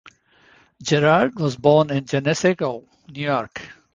Gerard was born in Geneseo, New York.